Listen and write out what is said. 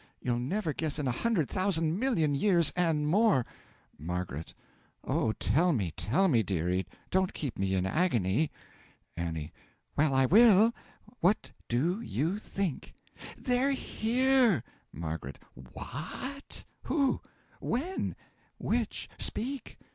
You'll never guess in a hundred thousand million years and more! M. Oh, tell me, tell me, dearie; don't keep me in agony. A. Well I will. What do you think? They're here! M. Wh a t! Who? When? Which? Speak!